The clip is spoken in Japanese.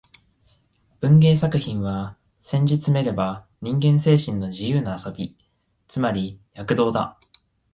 文芸作品は、せんじつめれば人間精神の自由な遊び、つまり躍動だ